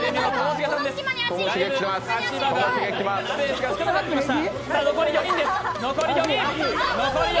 足場のスペースが少なくなってきました。